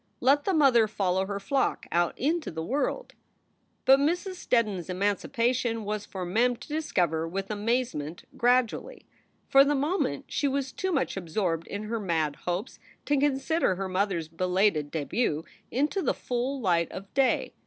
Let the mother follow her flock out into the world. But Mrs. Steddon s emancipation was for Mem to dis cover with amazement gradually. For the moment she was too much absorbed in her mad hopes to consider her mother s belated debut into the full light of day.